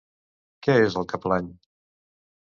Què és el que plany?